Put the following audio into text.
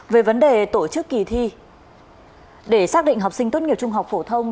về vấn đề tổ chức kỳ thi để xác định học sinh tốt nghiệp trung học phổ thông